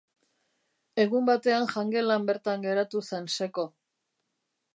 Egun batean jangelan bertan geratu zen seko.